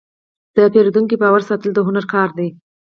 د پیرودونکي باور ساتل د هنر کار دی.